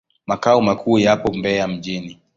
Makao makuu yapo Mbeya mjini.